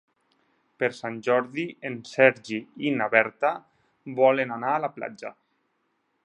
Per Sant Jordi en Sergi i na Berta volen anar a la platja.